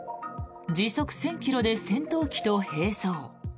時速１０００ｋｍで戦闘機と並走。